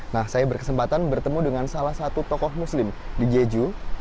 nah saya berkesempatan bertemu dengan salah satu tokoh muslim di jeju